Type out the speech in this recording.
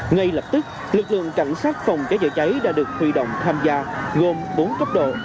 ngay lập tức lực lượng cảnh sát phòng cháy chữa cháy đã được huy động tham gia gồm bốn cấp độ